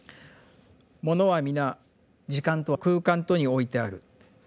「ものはみな時空と空間とにおいてある。